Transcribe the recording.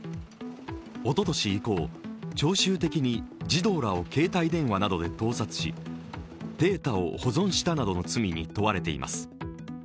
おととし以降、常習的に児童らを携帯電話などで盗撮しデータを保存したなどの罪に問われています。